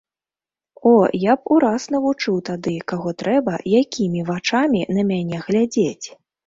О, я б ураз навучыў тады, каго трэба, якімі вачамі на мяне глядзець!